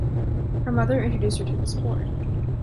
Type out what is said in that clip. Her mother introduced her to this sport.